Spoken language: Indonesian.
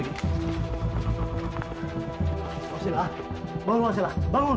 kenapa ada dua